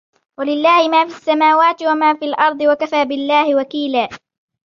وَلِلَّهِ مَا فِي السَّمَاوَاتِ وَمَا فِي الْأَرْضِ وَكَفَى بِاللَّهِ وَكِيلًا